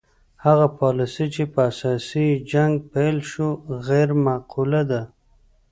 هغه پالیسي چې په اساس یې جنګ پیل شو غیر معقوله ده.